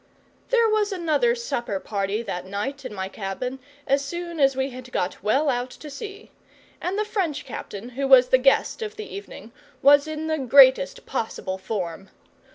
There was another supper party that night, in my cabin, as soon as we had got well out to sea; and the French captain, who was the guest of the evening, was in the greatest possible form.